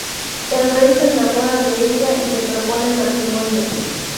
El rey se enamora de ella y le propone matrimonio.